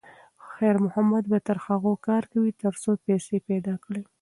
خیر محمد به تر هغو کار کوي تر څو پیسې پیدا کړي.